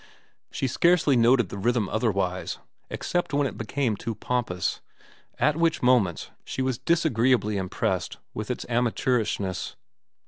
She scarcely noted the rhythm otherwise, except when it became too pompous, at which moments she was disagreeably impressed with its amateurishness.